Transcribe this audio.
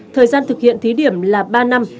thời gian thực hiện thí điểm là ba năm